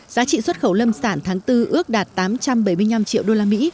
giá trị xuất khẩu lâm sản tháng bốn ước đạt tám trăm bảy mươi năm triệu usd